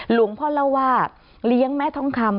หลวงพ่อเล่าว่าเลี้ยงแม่ทองคำ